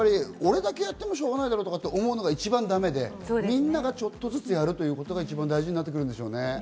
俺だけやってもしょうがないだろうと思うのが一番ダメで、みんながちょっとずつやるのが一番大事になるんでしょうね。